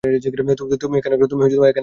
তুমি এখানে কেন?